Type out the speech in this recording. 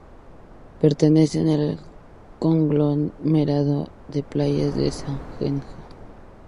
Pertenecen al conglomerado de playas de Sangenjo.